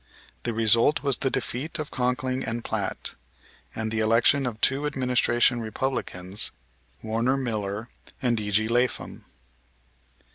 The result was the defeat of Conkling and Platt, and the election of two Administration Republicans, Warner Miller and E.G. Lapham.